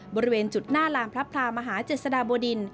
บริเวณจุดหน้าลานพระพลามหาเจษฎาบวดิน